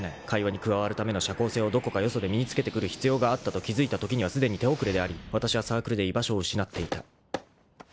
会話に加わるための社交性をどこかよそで身に付けてくる必要があったと気付いたときにはすでに手遅れでありわたしはサークルで居場所を失っていた］